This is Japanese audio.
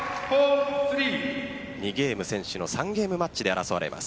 ２ゲーム先取の３ゲームマッチで争われます。